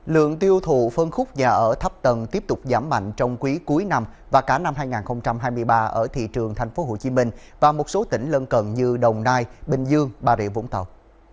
lượng tiêu thụ phân khúc nhà ở thấp tầng tiếp tục giảm mạnh trong quý cuối năm và cả năm hai nghìn hai mươi ba ở thị trường tp hcm và một số tỉnh lân cận như đồng nai bình dương bà rịa vũng tàu